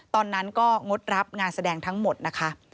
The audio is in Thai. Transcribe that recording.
ตอนนั้นก็งดรับงานแสดงทั้งหมดนะคะ